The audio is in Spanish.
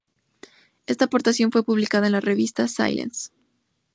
Esta aportación fue publicada en la revista "Science".